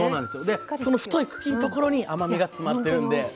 でその太い茎のところに甘みが詰まってるんで。